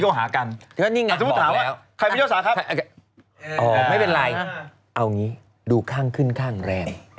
เอาอย่างนี้ดูข้างขึ้นข้างแรม